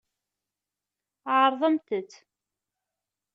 Ɛeṛḍemt-t.